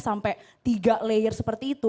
sampai tiga layer seperti itu